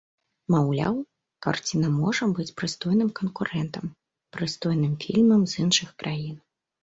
Маўляў, карціна можа быць прыстойным канкурэнтам прыстойным фільмам з іншых краін.